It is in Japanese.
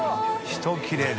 １切れで。